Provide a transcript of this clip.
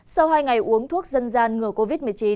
sau hai ngày uống thuốc dân gian ngừa covid một mươi chín